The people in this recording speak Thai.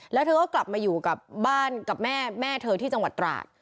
แล้วเธอก็กลับมาอยู่กับบ้านกับแม่แม่เธอที่จังหวัดตราด